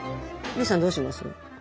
ＹＯＵさんどうします？